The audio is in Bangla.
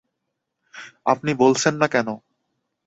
আপনি বলছেন না কেন?